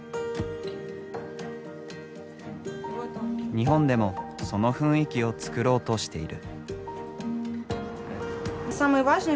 日本でもその雰囲気を作ろうとしている。